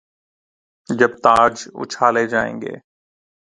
جب تاج اچھالے جائیں گے۔